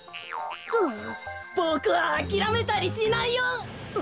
ボクはあきらめたりしないよ！